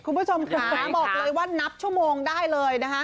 คุณผู้ชมค่ะบอกเลยว่านับชั่วโมงได้เลยนะคะ